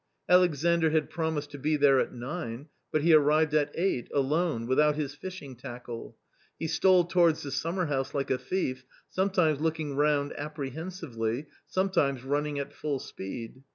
Alexandr had promised to be there at nine, but he arrived at eight, alone, without his fishing tackle. He stole towards the summerhouse like a thief, sometimes looking round ap prehensively, sometimes running at full speed.